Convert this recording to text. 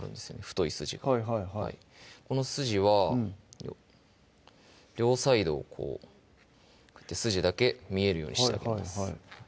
太い筋がこの筋は両サイド筋だけ見えるようにしてあげます